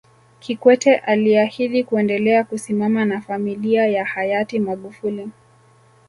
Kikwete aliahidi kuendelea kusimama na familia ya Hayati Magufuli